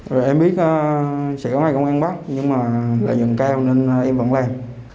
rồi em biết sẽ có hai công an bắt nhưng mà lợi nhuận cao nên em vẫn làm